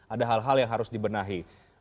ada hal hal yang harus dibenahi